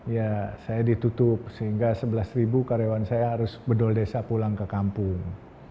ya saya ditutup sehingga sebelas ribu karyawan saya harus bedul desa pulang ke kampung